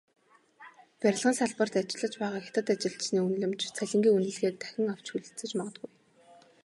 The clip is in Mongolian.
Барилгын салбарт ажиллаж байгаа хятад ажилчны үнэлэмж, цалингийн үнэлгээг дахин авч хэлэлцэж магадгүй.